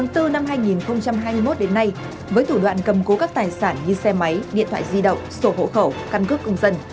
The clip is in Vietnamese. từ năm hai nghìn hai mươi một đến nay với thủ đoạn cầm cố các tài sản như xe máy điện thoại di động sổ hộ khẩu căn cước công dân